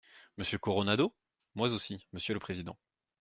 Monsieur Coronado ? Moi aussi, monsieur le président.